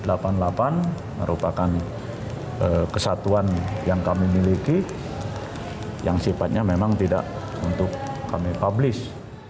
ini adalah kesatuan yang kami miliki yang sifatnya memang tidak untuk kami publis